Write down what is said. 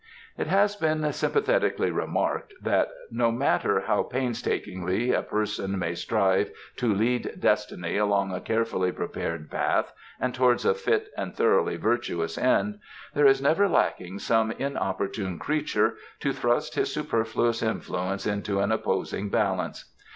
It has been sympathetically remarked that no matter how painstakingly a person may strive to lead Destiny along a carefully prepared path and towards a fit and thoroughly virtuous end there is never lacking some inopportune creature to thrust his superfluous influence into an opposing balance.